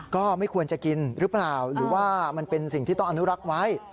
ก็ไม่ควรจะกินหรือเปล่าหรือว่ามันเป็นสิ่งที่ต้องอนุรักษ์ไว้